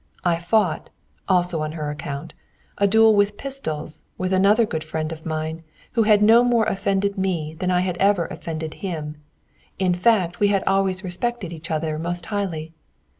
I fought (also on her account) a duel with pistols with another good friend of mine, who had no more offended me than I had ever offended him, in fact, we had always respected each other most highly.